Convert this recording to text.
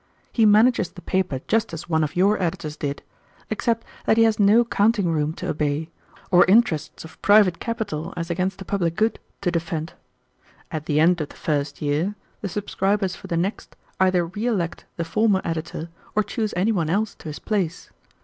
He manages the paper just as one of your editors did, except that he has no counting room to obey, or interests of private capital as against the public good to defend. At the end of the first year, the subscribers for the next either re elect the former editor or choose any one else to his place.